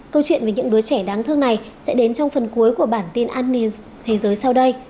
câu chuyện về những đứa trẻ đáng thương này sẽ đến trong phần cuối của bản tin an ninh thế giới sau đây